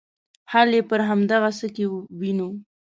حل یې پر همدغه څه کې وینو.